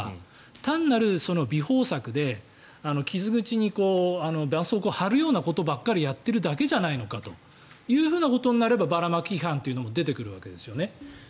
単なる弥縫策で傷口にばんそうこうを貼るようなことばっかりやってるだけじゃないかとなるとばらまき批判というのも出てくるわけですよね。